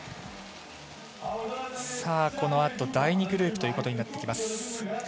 このあと第２グループということになってきます。